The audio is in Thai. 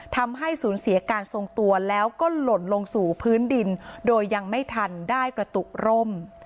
ทำให้สูญเสียการทรงตัวแล้วก็หล่นลงสู่พื้นดินโดยยังไม่ทันได้กระตุกร่ม